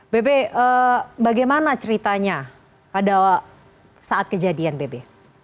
bebe bagaimana ceritanya pada saat kejadian bebe